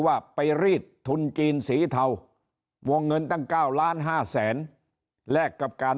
ว่าไปรีดทุนจีนสีเทาวงเงินตั้ง๙ล้านห้าแสนแลกกับการ